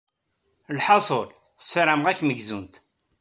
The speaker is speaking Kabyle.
Lḥaṣul, ssarameɣ ad kem-gzunt.